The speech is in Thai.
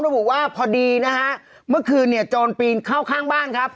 ระบุว่าพอดีนะฮะเมื่อคืนเนี่ยโจรปีนเข้าข้างบ้านครับ